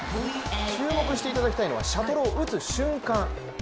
注目していただきたいのはシャトルを打つ瞬間。